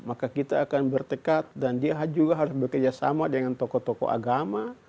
maka kita akan bertekad dan dia juga harus bekerja sama dengan tokoh tokoh agama